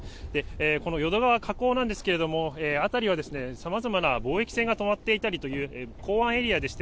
この淀川河口なんですけれども、辺りはさまざまな貿易船が止まっていたりという、港湾エリアでして、